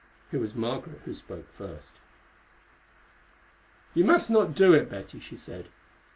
It was Margaret who spoke the first. "You must not do it, Betty," she said.